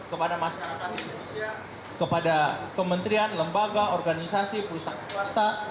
kepada masyarakat indonesia kepada kementrian lembaga organisasi perusahaan swasta